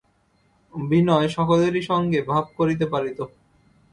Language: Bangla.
বিনয় সকলেরই সঙ্গে ভাব করিতে পারিত।